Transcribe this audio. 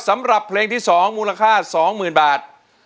สำหรับเพลงที่สองมูลค่าสองหมื่นบาท